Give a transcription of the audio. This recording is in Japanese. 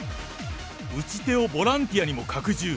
打ち手をボランティアにも拡充。